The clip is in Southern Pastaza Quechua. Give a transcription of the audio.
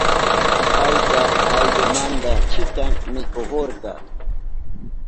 Payka ayllunmanta chikan mikuhurka.